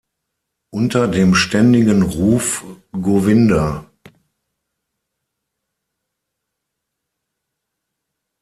Unter dem ständigen Ruf „Govinda!